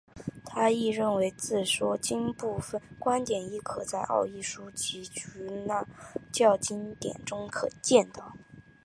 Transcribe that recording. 他亦认为自说经部份观点亦可在奥义书及耆那教经典中见到。